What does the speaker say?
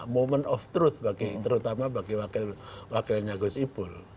moment of truth terutama bagi wakilnya gus ipul